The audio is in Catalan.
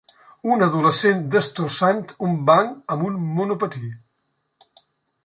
Un adolescent destrossant un banc amb un monopatí.